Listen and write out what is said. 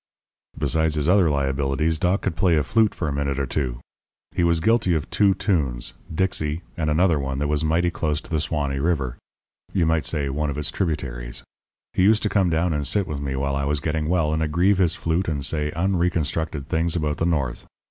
"Besides his other liabilities Doc could play a flute for a minute or two. He was guilty of two tunes 'Dixie' and another one that was mighty close to the 'Suwanee River' you might say one of its tributaries. He used to come down and sit with me while I was getting well, and aggrieve his flute and say unreconstructed things about the North.